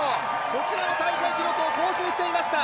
こちらも大会記録を更新していました！